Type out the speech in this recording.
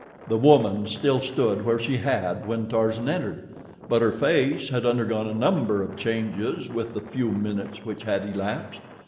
The woman still stood where she had when Tarzan entered, but her face had undergone a number of changes with the few minutes which had elapsed.